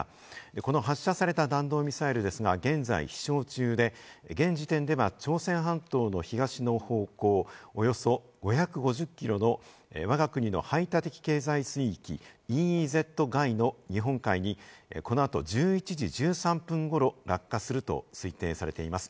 この発射された弾道ミサイルですが、現在飛しょう中で、現時点では朝鮮半島の東の方向、およそ５５０キロのわが国の排他的経済水域、ＥＥＺ外の日本海にこの後、１１時１３分ごろ落下すると推定されています。